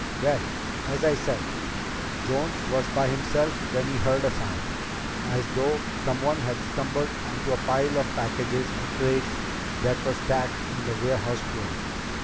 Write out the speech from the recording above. "Well, as I said, Jones was by himself when he heard a sound, as though someone had stumbled into a pile of packages or crates that were stacked on the warehouse floor.